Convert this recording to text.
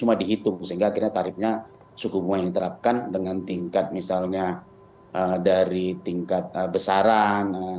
cuma dihitung sehingga akhirnya tarifnya suku bunga yang diterapkan dengan tingkat misalnya dari tingkat besaran